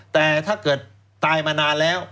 แต่ถ้าเกิดตายมานานแล้ว